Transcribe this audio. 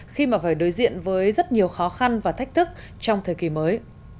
khi mà phải đối diện với rất nhiều khó khăn và thách thức trong thời kỳ mới